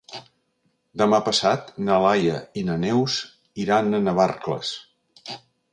Demà passat na Laia i na Neus iran a Navarcles.